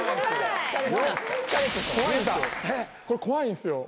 これ怖いんすよ。